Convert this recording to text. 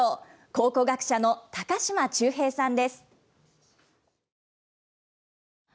考古学者の高島忠平さんです。